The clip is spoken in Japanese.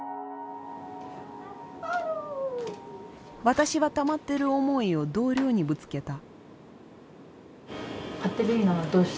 私はたまっている思いを同僚にぶつけた。